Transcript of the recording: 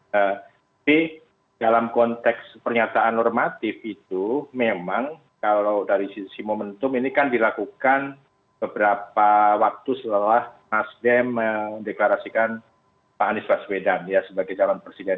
tapi dalam konteks pernyataan normatif itu memang kalau dari sisi momentum ini kan dilakukan beberapa waktu setelah nasdem mendeklarasikan pak anies baswedan ya sebagai calon presiden